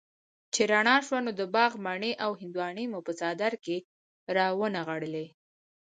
چې رڼا شوه نو د باغ مڼې او هندواڼې مو څادر کي را ونغاړلې